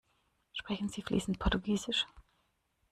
Sprechen Sie fließend Portugiesisch?